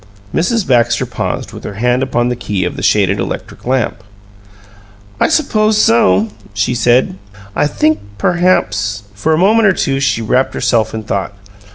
Mrs. Baxter paused, with her hand upon the key of the shaded electric lamp. "I suppose so," she said. "I think perhaps " For a moment or two she wrapped herself in thought.